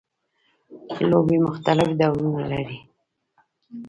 لوبیې مختلف ډولونه لري